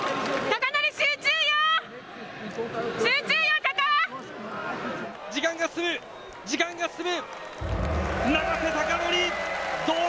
貴規、時間が進む、時間が進む。